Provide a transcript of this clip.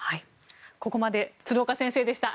ここまで鶴岡先生でした。